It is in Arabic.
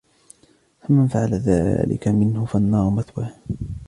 فَمَنْ فَعَلَ ذَلِكَ مِنْكُمْ فَالنَّارُ مَثْوَاهُ